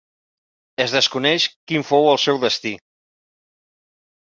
Es desconeix quin fou el seu destí.